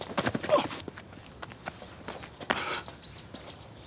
あっ！